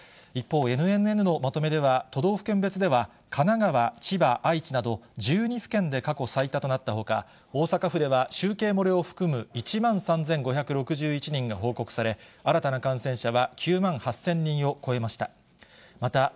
一方、ＮＮＮのまとめでは、都道府県別では、神奈川、千葉、愛知など、１２府県で過去最多となったほか、大阪府では集計漏れを含む１万３５６１人が報告され、新たな感染者は９万８０００人を超えました。